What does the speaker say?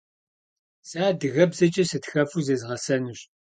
Se adıgebzeç'e sıtxefu zêzğesenuş.